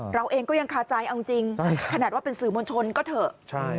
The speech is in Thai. เราเองก็ยังคาใจเอาจริงขนาดว่าเป็นสื่อมวลชนก็เถอะ